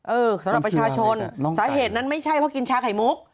สำหรับประชาชนสาเหตุนั้นไม่ใช่เพราะกินชาไข่มุก